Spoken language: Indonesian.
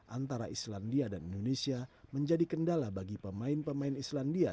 antara islandia dan indonesia menjadi kendala bagi pemain pemain islandia